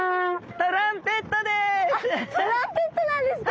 トランペットなんですか？